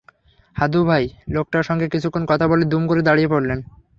হাদু ভাই লোকটার সঙ্গে কিছুক্ষণ কথা বলে দুম করে দাঁড়িয়ে পড়লেন।